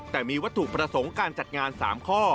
แต่มีวัตถุประสงค์การจัดงาน๓ข้อ